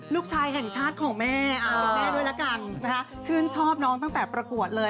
ลูกชายแห่งชาติของแม่เป็นแม่ด้วยละกันนะคะชื่นชอบน้องตั้งแต่ประกวดเลย